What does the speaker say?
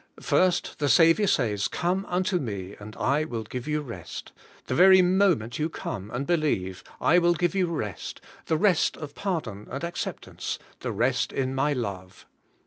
First the Saviour says, 'Come unto me, and I will give you rest;' the very moment you come, and believe, I will give you rest, — the rest of pardon and acceptance, — the rest in my love.